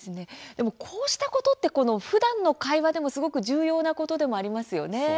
こうしたことはふだんの会話でもすごく重要なことでもありますよね。